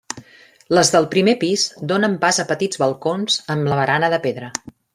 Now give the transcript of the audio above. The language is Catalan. Les del primer pis donen pas a petits balcons amb la barana de pedra.